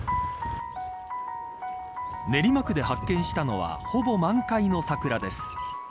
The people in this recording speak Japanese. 練馬区で発見したのはほぼ満開の桜です。